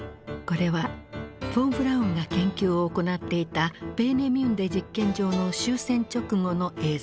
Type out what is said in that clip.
これはフォン・ブラウンが研究を行っていたペーネミュンデ実験場の終戦直後の映像。